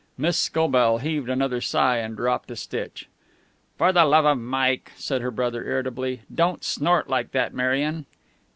Miss Scobell heaved another sigh, and dropped a stitch. "For the love of Mike," said her brother, irritably, "don't snort like that, Marion."